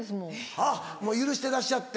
あっ許してらっしゃって？